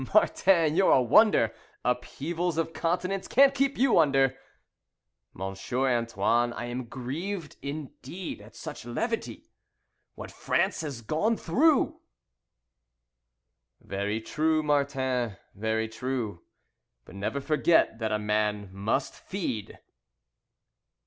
Martin, you're a wonder, Upheavals of continents can't keep you under." "Monsieur Antoine, I am grieved indeed At such levity. What France has gone through " "Very true, Martin, very true, But never forget that a man must feed."